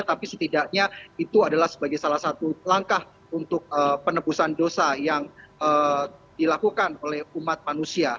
tapi setidaknya itu adalah sebagai salah satu langkah untuk penebusan dosa yang dilakukan oleh umat manusia